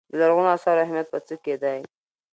د لرغونو اثارو اهمیت په څه کې دی.